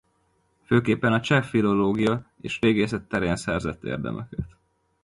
Főképpen a cseh filológia és régészet terén szerzett érdemeket.